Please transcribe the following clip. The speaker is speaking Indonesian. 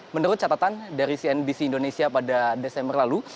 menurut catatan dari cnbc indonesia pada desember lalu